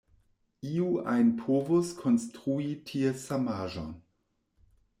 Iu ajn povus konstrui ties samaĵon.